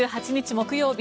木曜日